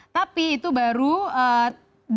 tapi itu baru diluncurkan